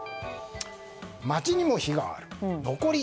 町にも非がある。